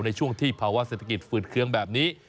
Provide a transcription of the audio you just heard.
ในช่วงที่ภาวะเศรษฐกิจฝืดเคืองแบบนี้